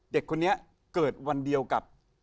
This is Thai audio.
เด็กคนนี้เกิดวันเดียวกับ